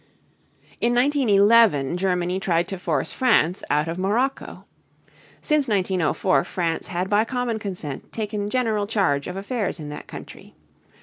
In 1911 Germany tried to force France out of Morocco. Since 1904 France had by common consent taken general charge of affairs in that country.